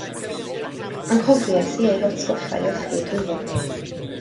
Anghofiais i eu hatgoffa i olchi eu dwylo.